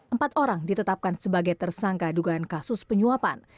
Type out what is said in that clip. empat orang ditetapkan sebagai tersangka dugaan kasus penyuapan